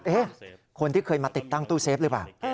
คนที่เคยมาติดตั้งตู้เซฟหรือเปล่า